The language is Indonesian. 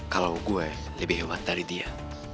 kalau gue lebih hemat dari dia